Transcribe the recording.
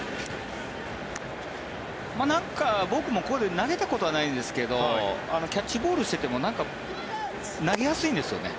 なんか、僕もここで投げたことはないんですがキャッチボールしていても投げやすいんですよね。